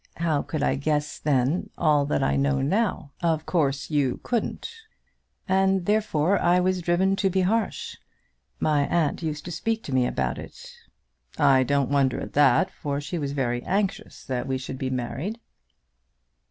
How could I guess then all that I know now?" "Of course you couldn't." "And therefore I was driven to be harsh. My aunt used to speak to me about it." "I don't wonder at that, for she was very anxious that we should be married."